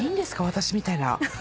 私みたいな。